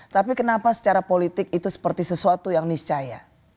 tapi kenapa secara politik itu seperti sesuatu yang niscaya